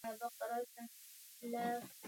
zimeendelea bila ya kutumia katiba zilizoandikwa